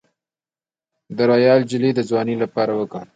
د رویال جیلی د ځوانۍ لپاره وکاروئ